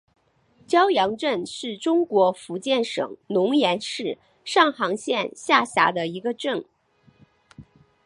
蛟洋镇是中国福建省龙岩市上杭县下辖的一个镇。